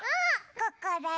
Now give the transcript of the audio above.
ここだよ。